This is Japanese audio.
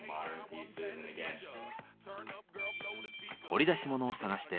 掘り出し物を探して。